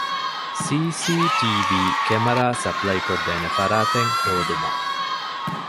ސި.ސީ.ޓީވީ ކެމެރާ ސަޕްލައިކޮށްދޭ ފަރާތެއް ހޯދުމަށް